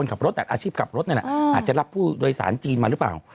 อาจจะรับผู้โดยสารจีนมารึเปล่า